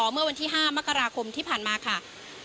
เมื่อวันที่๕มกราคมที่ผ่านมาค่ะ